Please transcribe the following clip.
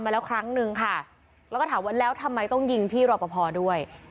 แล้วก็ถามว่าแล้วทำไมต้องยิงพี่รอปภด้วย